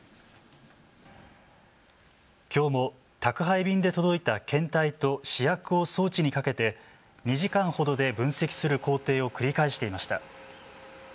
きょうも、宅配便で届いた検体と試薬を装置にかけて２時間ほどで分析する工程を繰り返していました。